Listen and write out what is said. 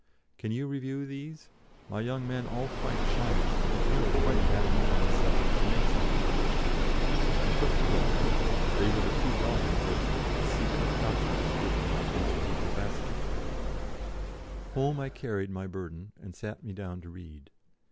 "Can you review these? My young men all fight shy of them, but you are quite mad enough on these subjects to make something of them." I took the books; they were the two volumes of "The Secret Doctrine," written by H.P. Blavatsky. Home I carried my burden, and sat me down to read.